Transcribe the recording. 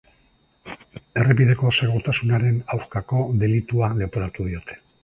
Errepideko segurtasunaren aurkako delitua leporatu diote.